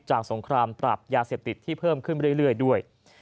สงครามปรับยาเสพติดที่เพิ่มขึ้นเรื่อยด้วย